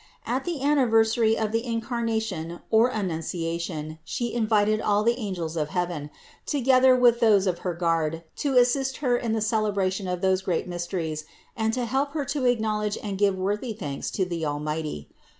At the anniversary of the Incarnation or Annunciation She invited all the angels of heaven, together with those of her guard, to as sist Her in the celebration of those great mysteries and to help Her to acknowledge and give worthy thanks to the Almighty.